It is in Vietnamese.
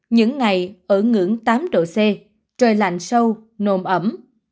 những ngày ở ngưỡng tám độ c trời lạnh sâu nồm ẩm